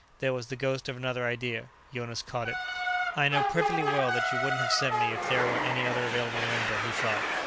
There was the ghost of another idea; Jonas caught it. "I know perfectly well that you wouldn't have sent me if there were any other available member," he thought.